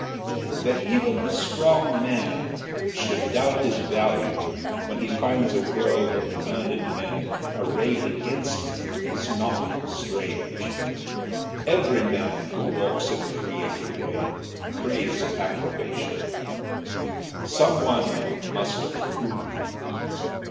That even a strong man should doubt his value when he finds a world of learned men arrayed against him is not strange. Every man who works in a creative way craves approbation. Some one must approve.